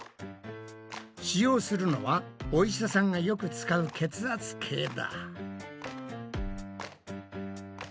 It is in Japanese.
使用するのはお医者さんがよく使う血圧計だ。